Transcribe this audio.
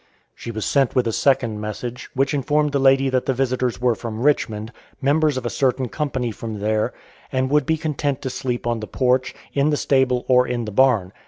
She was sent with a second message, which informed the lady that the visitors were from Richmond, members of a certain company from there, and would be content to sleep on the porch, in the stable, or in the barn.